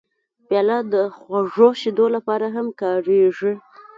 پیاله د خوږو شیدو لپاره هم کارېږي.